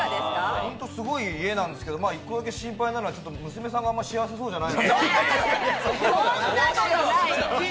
ホントにすごい家なんですけど、一つだけ心配なのは娘さんがあんまり幸せそうじゃない。